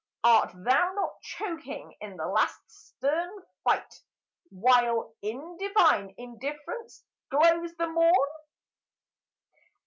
Art thou not choking in the last stern fight While in divine indifference glows the morn